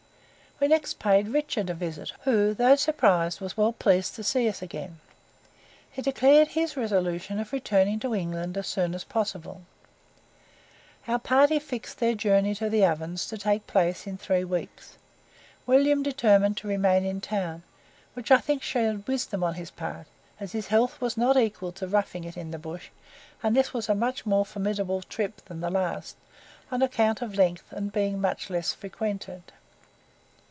We next paid Richard a visit, who, though surprised was well pleased to see us again. He declared his resolution of returning to England as soon as possible. Our party fixed their journey to the Ovens to take place in three weeks. William determined to remain in town, which I think showed wisdom on his part as his health was not equal to roughing it in the bush; and this was a much more formidable trip than the last, on account of length, and being much less frequented.